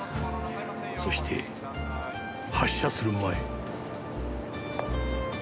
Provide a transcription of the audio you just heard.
そして発車する前。